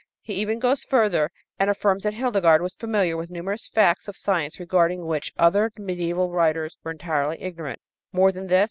He even goes further and affirms that Hildegard was familiar with numerous facts of science regarding which other mediæval writers were entirely ignorant. More than this.